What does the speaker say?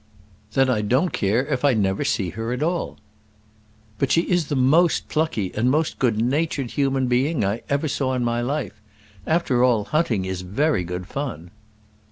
"Then I don't care if I never see her at all." "But she is the most plucky and most good natured human being I ever saw in my life. After all, hunting is very good fun."